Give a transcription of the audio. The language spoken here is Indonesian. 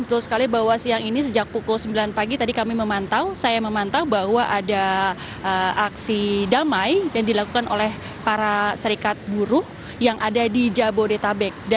betul sekali bahwa siang ini sejak pukul sembilan pagi tadi kami memantau saya memantau bahwa ada aksi damai yang dilakukan oleh para serikat buruh yang ada di jabodetabek